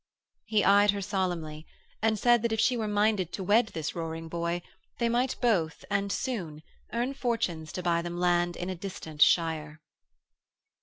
He eyed her solemnly and said that if she were minded to wed this roaring boy they might both, and soon, earn fortunes to buy them land in a distant shire.